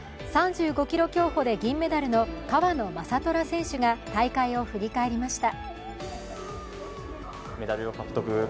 ３５ｋｍ競歩で銀メダルの川野将虎選手が大会を振り返りました。